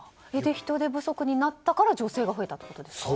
人手不足になったから女性が増えたということですか？